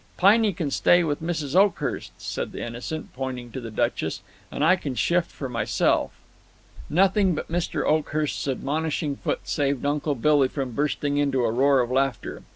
"Piney can stay with Mrs. Oakhurst," said the Innocent, pointing to the Duchess, "and I can shift for myself." Nothing but Mr. Oakhurst's admonishing foot saved Uncle Billy from bursting into a roar of laughter.